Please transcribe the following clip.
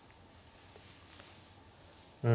うん。